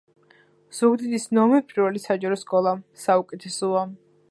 ზუგდიდის ნომერ პირველი საჯარო სკოლა საუკეთესოა